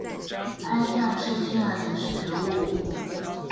拍下吃下的食物